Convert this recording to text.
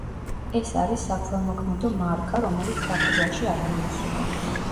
ეს არის საქველმოქმედო მარკა, რომელიც გაყიდვაში არ გამოსულა.